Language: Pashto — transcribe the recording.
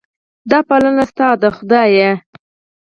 دا پالنه ستا ده خدایه.